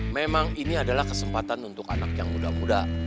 memang ini adalah kesempatan untuk anak yang muda muda